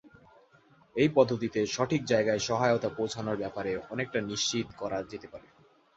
এই পদ্ধতিতে সঠিক জায়গায় সহায়তা পৌঁছানোর ব্যাপারটা অনেকটা নিশ্চিত করা যেতে পারে।